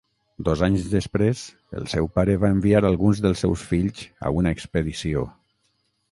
Dos anys després, el seu pare va enviar alguns dels seus fills a una expedició.